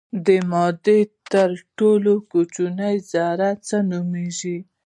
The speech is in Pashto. د مادې تر ټولو کوچنۍ ذره څه نومیږي.